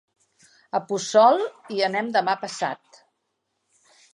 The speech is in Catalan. A Puçol hi anem demà passat.